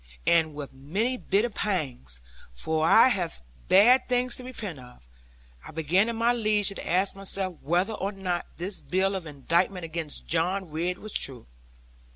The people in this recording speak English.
And with many bitter pangs for I have bad things to repent of I began at my leisure to ask myself whether or not this bill of indictment against John Ridd was true.